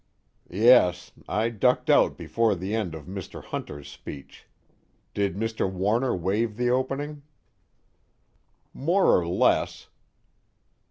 "Yes. I ducked out before the end of Mr. Hunter's speech. Did Mr. Warner waive the opening?" "More or less...."